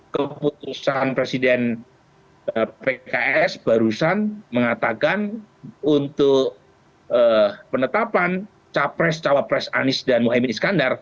keputusan presiden pks barusan mengatakan untuk penetapan capres cawapres anies dan muhaymin iskandar